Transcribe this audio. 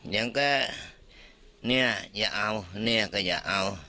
ยังก็เนี่ยอย่าเอาเนี่ยก็อย่าเอา